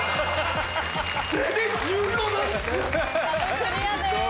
壁クリアです。